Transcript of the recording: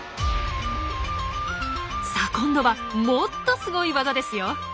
さあ今度はもっとスゴイ技ですよ。